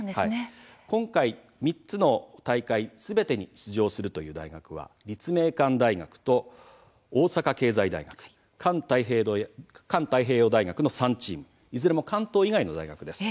今回、３つの大会すべてに出場するという大学は立命館大学、大阪経済大学環太平洋大学の３チームいずれも関東以外の大学です。